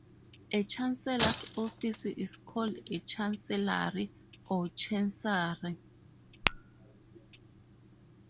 A chancellor's office is called a chancellery or chancery.